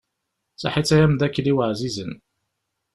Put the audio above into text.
Saḥit ay amdakkel-iw ɛzizen.